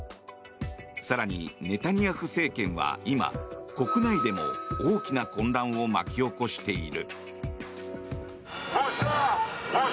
更に、ネタニヤフ政権は今国内でも大きな混乱を巻き起こしている。